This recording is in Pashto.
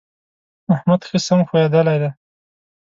احمد ښه سم ښويېدلی دی.